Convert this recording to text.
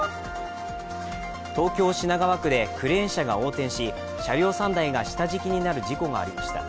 東京・品川区でクレーン車が横転し車両３台が下敷きになる事故がありました。